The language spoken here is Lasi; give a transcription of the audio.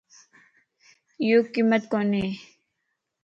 ايو ڪمت ڪوني